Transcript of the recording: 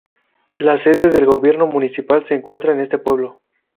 La sede del gobierno municipal se encuentra en este pueblo.